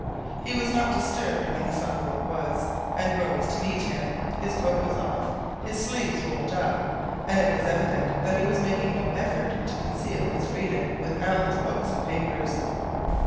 He was not disturbed when he saw who it was, and rose to meet him. His coat was off, his sleeves rolled up, and it was evident he was making no effort to conceal his freedom with Alan's books and papers.